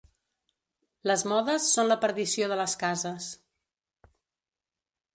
Les modes són la perdició de les cases.